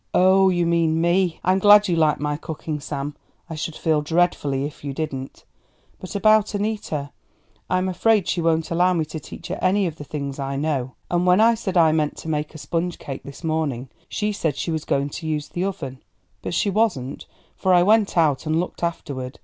"Oh, you mean me! I'm glad you like my cooking, Sam. I should feel dreadfully if you didn't. But about Annita, I am afraid she won't allow me to teach her any of the things I know; and when I said I meant to make a sponge cake this morning, she said she was going to use the oven. But she wasn't, for I went out and looked afterward.